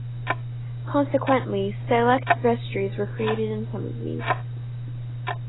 Consequently, select vestries were created in some of these.